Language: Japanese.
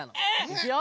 いくよ！